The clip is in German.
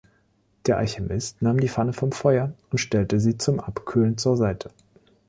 Der Alchemist nahm die Pfanne vom Feuer und stellte sie zum Abkühlen zur Seite.